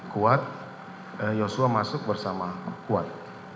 kuat yosua masuk bersama kuat